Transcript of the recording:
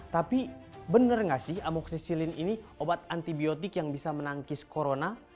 tapi bener gak sih amoksisilin ini obat antibiotik yang bisa menangkis corona